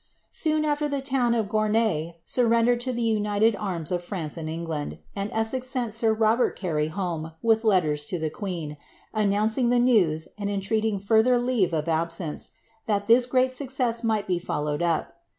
Soon af^r the town of Gornye surrendered to the united arms of France and England, and Essex sent sir Robert Carey home with letters to the queen, announcing the news, and entreating further leave of ab* ■ence, mat this great success might be followed up.